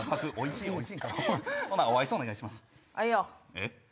えっ？